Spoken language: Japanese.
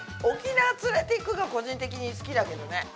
「沖縄つれていく」が個人的に好きだけどね。